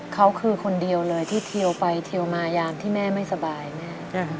เขาคือคนเดียวเลยที่เทียวไปเทียวมายามที่แม่ไม่สบายแม่